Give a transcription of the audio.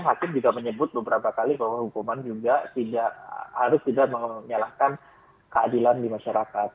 hakim juga menyebut beberapa kali bahwa hukuman juga harus tidak menyalahkan keadilan di masyarakat